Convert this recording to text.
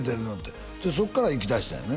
そっから行きだしたんやね